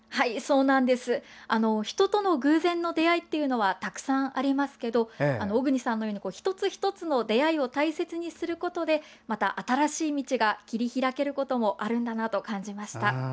人との偶然の出会いというのは、たくさんありますが小國さんのように一つ一つの出会いを大切にすることでまた新しい道が切り開けることもあるんだなと感じました。